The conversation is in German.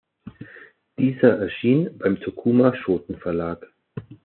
Dieser erschien beim Tokuma Shoten-Verlag.